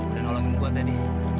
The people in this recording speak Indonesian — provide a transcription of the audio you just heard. udah nolongin gue tadi